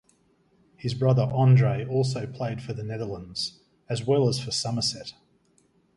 His brother Andre also played for the Netherlands, as well as for Somerset.